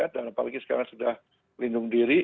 dan apalagi sekarang sudah lindung diri